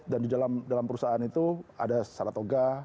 dan di dalam perusahaan itu ada saratoga